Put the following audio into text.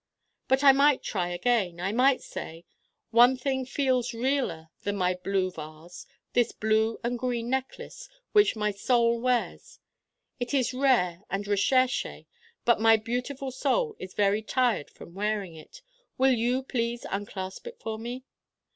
But I might try again. I might say: 'One thing feels realer than my blue vase this blue and green Necklace which my Soul wears. It is rare and recherché but my beautiful Soul is very tired from wearing it. Will you please unclasp it for me?